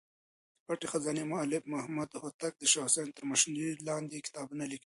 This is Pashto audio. د پټې خزانې مولف محمد هوتک د شاه حسين تر مشرۍ لاندې کتابونه ليکلي.